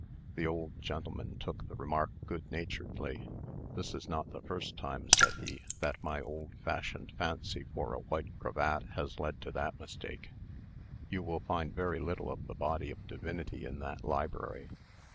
The old gentleman took the remark good naturedly. "This is not the first time," said he, "that my old fashioned fancy for a white cravat has led to that mistake. You will find very little of the body of divinity in that library.